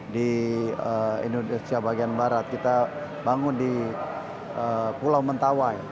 di indonesia bagian barat kita bangun di pulau mentawai